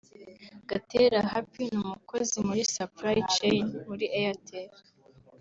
Gatera Happy ni umukozi muri Supply Chain muri Airtel